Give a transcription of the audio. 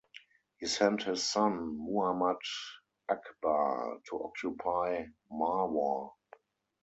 He sent his son, Muhammad Akbar, to occupy Marwar.